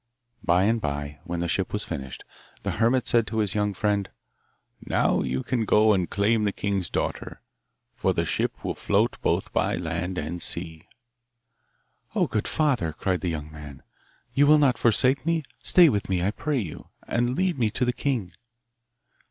By and bye, when the ship was finished, the hermit said to his young friend, 'Now you can go and claim the king's daughter, for hte ship will float both by land and sea.' 'Oh, good father,' cried the young man, 'you will not forsake me? Stay with me, I pray you, and lead me to the king!